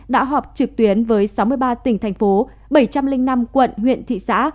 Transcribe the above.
đã họp trực tuyến với sáu mươi ba tỉnh thành phố bảy trăm linh năm quận huyện thị xã